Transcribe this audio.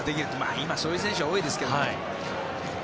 今、そういう選手が多いですけど。